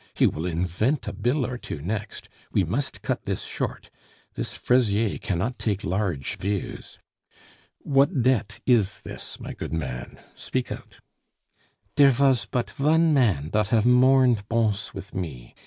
He will invent a bill or two next! We must cut this short. This Fraisier cannot take large views. What debt is this, my good man? Speak out." "Dere vas but von mann dot haf mourned Bons mit me....